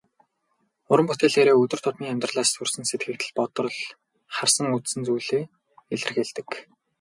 Уран бүтээлээрээ өдөр тутмын амьдралаас төрсөн сэтгэгдэл, бодрол, харсан үзсэн зүйлсээ илэрхийлдэг.